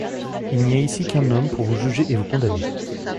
Il n'y a ici qu'un homme pour vous juger et vous condamner.